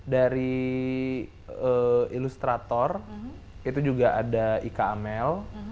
dari ilustrator itu juga ada ika amel